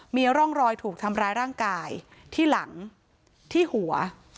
มีร่องรอยถูกทำร้ายร่างกายที่หลังที่หัว